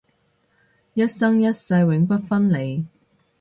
一生一世永不分離